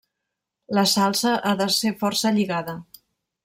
La salsa ha de ser força lligada.